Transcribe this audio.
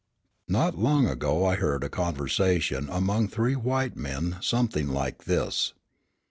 Not long ago I heard a conversation among three white men something like this.